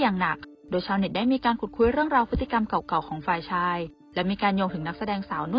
นอกจากคำว่ารักมากนะครับแล้วก็คิดถึงสุดหัวใจเลยครับ